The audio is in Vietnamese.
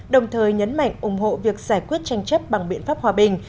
đồng thời nhấn mạnh ủng hộ việc giải quyết tranh chấp bằng biện pháp hòa bình